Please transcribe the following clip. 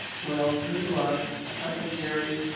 "Well, good luck," chuckled Jerry.